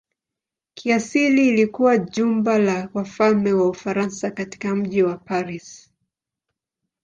Kiasili ilikuwa jumba la wafalme wa Ufaransa katika mji wa Paris.